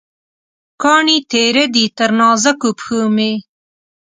کاڼې تېره دي، تر نازکو پښومې